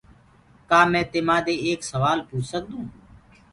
ڪآ مينٚ تمآ دي ايڪ سوآل پوڇ سڪدو هونٚ؟